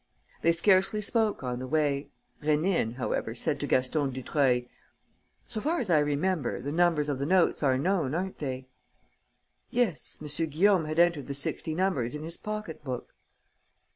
They scarcely spoke on the way. Rénine, however, said to Gaston Dutreuil: "So far as I remember, the numbers of the notes are known, aren't they?" "Yes. M. Guillaume had entered the sixty numbers in his pocket book."